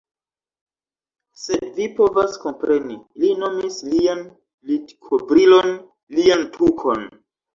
Sed vi povas kompreni. Li nomis lian litkovrilon... lian tukon.